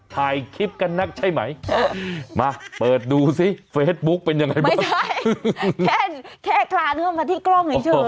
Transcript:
ไม่ใช่แค่คลานั่นมาที่กล้องเฉย